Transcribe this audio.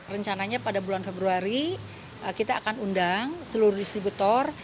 rencananya pada bulan februari kita akan undang seluruh distributor